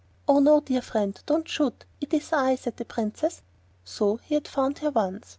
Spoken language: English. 'Oh, no, dear friend, don't shoot! It is I,' said the Princess. So he had found her once.